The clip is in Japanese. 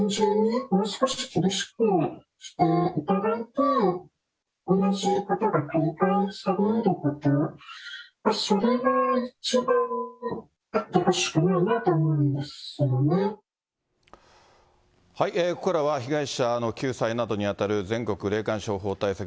ここからは被害者の救済などに当たる、全国霊感商法対策